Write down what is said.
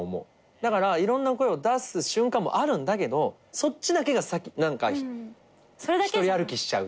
だからいろんな声を出す瞬間もあるんだけどそっちだけが一人歩きしちゃうというか。